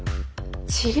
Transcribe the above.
治療？